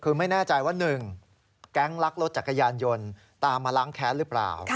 คือไม่แน่ใจว่า๑แก๊งลักรถจักรยานยนต์ตามมาล้างแค้นหรือเปล่า